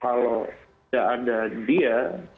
kalau tidak ada dia